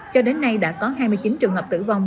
cho đến nay đã có hai mươi chín trường hợp tử vong